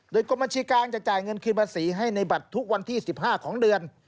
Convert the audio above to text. โดยกรมบัญชีกลางจะจ่ายเงินคืนภาษีให้ในบัตรทุกวันที่๑๕ของเดือน